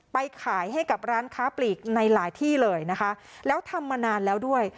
ไปขายให้กับร้านค้าปลีกในหลายที่เลยนะคะแล้วทำมานานแล้วด้วย